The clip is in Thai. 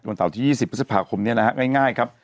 วันเสาร์ที่๒๐พฤษภาคมเนี่ยนะครับง่ายครับ